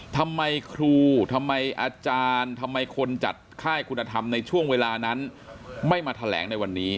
ทำไมครูทำไมอาจารย์ทำไมคนจัดค่ายคุณธรรมในช่วงเวลานั้นไม่มาแถลงในวันนี้